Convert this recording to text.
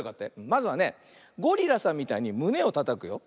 まずはねゴリラさんみたいにむねをたたくよ。